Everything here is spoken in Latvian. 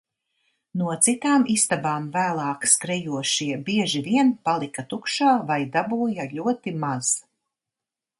No citām istabām vēlāk skrejošie bieži vien palika tukšā vai dabūja ļoti maz.